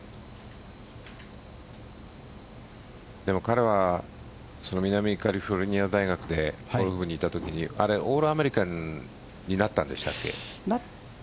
でも、彼は南カリフォルニア大学でゴルフ部にいたときにオールアメリカンになったんでしたっけ？